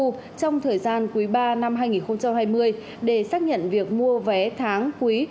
trong thời gian quý ba năm hai nghìn hai mươi để xác nhận việc mua vé tháng quý